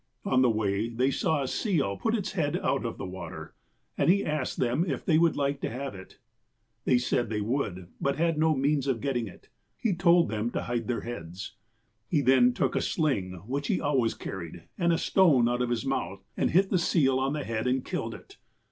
"On the way, they saw a seal put its head out of the water, and he asked them if they would like to have it. They said they would, but had no means of getting it. "He told them to hide their heads. He then took a sling, which he always carried, and a stone out of his mouth, and hit the seal on the head, and killed it.